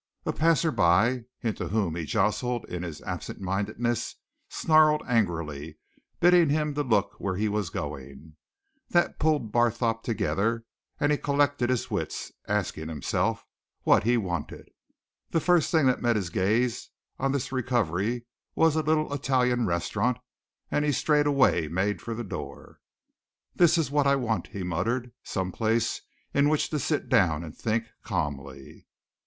A passer by into whom he jostled in his absent mindedness snarled angrily, bidding him look where he was going that pulled Barthorpe together and he collected his wits, asking himself what he wanted. The first thing that met his gaze on this recovery was a little Italian restaurant and he straightway made for the door. "This is what I want," he muttered. "Some place in which to sit down and think calmly."